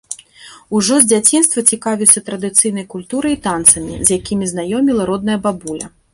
Ужо з дзяцінства цікавіўся традыцыйнай культурай і танцамі, з якімі знаёміла родная бабуля.